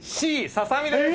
ササミです！